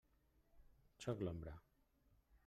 Sóc l'Ombra.